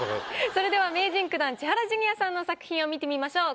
それでは名人９段千原ジュニアさんの作品を見てみましょう。